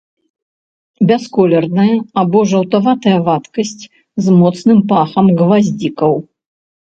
Бясколерная або жаўтаватая вадкасць з моцным пахам гваздзікоў.